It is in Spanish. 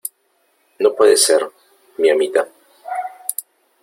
no puede ser , mi amita :